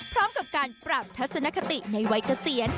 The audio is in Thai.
พร้อมกับการปรับทัศนคติในวัยเกษียณ